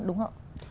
đúng không ạ